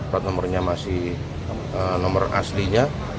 plat nomornya masih nomor aslinya